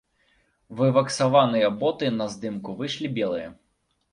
Вываксаваныя боты на здымку выйшлі белыя.